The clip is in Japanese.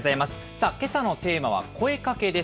さあ、けさのテーマは声かけです。